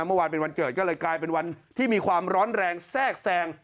เมื่อวานเป็นวันเกิดก็เลยกลายเป็นวันที่มีความร้อนแรงแทรกแซง